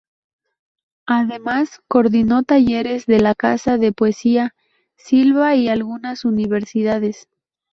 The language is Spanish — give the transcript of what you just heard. Además, coordinó talleres de la Casa de Poesía Silva y algunas universidades.